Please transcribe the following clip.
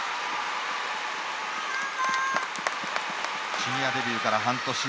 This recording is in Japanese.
シニアデビューから半年。